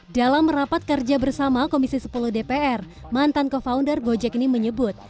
dalam rapat kerja bersama komisi sepuluh dpr mantan co founder gojek ini menyebut